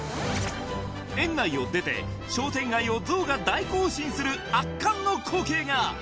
園内を出て商店街をゾウが大行進する圧巻の光景が！